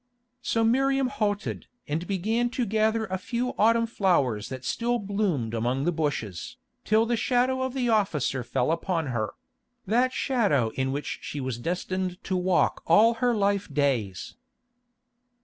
So Miriam halted and began to gather a few autumn flowers that still bloomed among the bushes, till the shadow of the officer fell upon her—that shadow in which she was destined to walk all her life days.